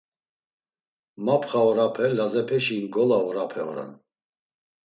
Mapxa orape, Lazepeşi ngola orape oran.